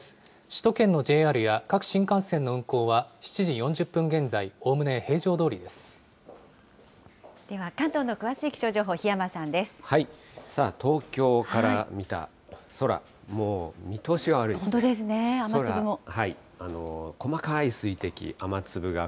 首都圏のＪＲや各新幹線の運行は７時４０分現在、おおむね平常どでは関東の詳しい気象情報、さあ、東京から見た空、もう本当ですね、雨粒も。